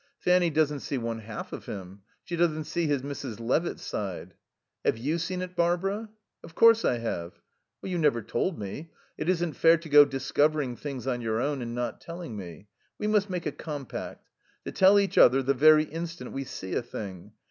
"Fanny doesn't see one half of him. She doesn't see his Mrs. Levitt side." "Have you seen it, Barbara?" "Of course I have." "You never told me. It isn't fair to go discovering things on your own and not telling me. We must make a compact. To tell each other the very instant we see a thing.